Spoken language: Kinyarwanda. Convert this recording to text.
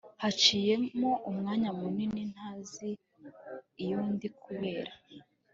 Haciyemo umwanya munini ntazi iyo ndi kubera